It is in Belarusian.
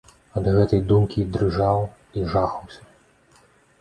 Ад гэтай думкі дрыжаў і жахаўся.